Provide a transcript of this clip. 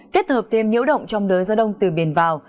kết hợp thêm nhiễu động trong đới gió đông từ biển vào